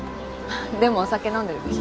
でもお酒飲んでるでしょ